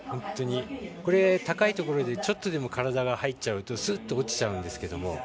これ、高いところでちょっとでも体が入っちゃうとすっと落ちちゃうんですけども。